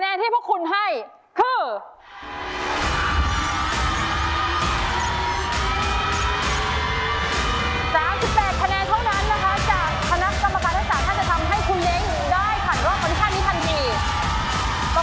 ๑๙๑๙๑๙คะแนนครับรวมแล้วเป็น๕๙คะแนน